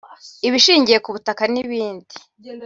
ibishingiye ku butaka n’ibindi